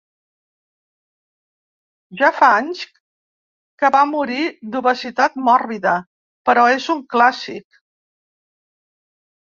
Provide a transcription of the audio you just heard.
Ja fa anys que va morir d'obesitat mòrbida, però és un clàssic.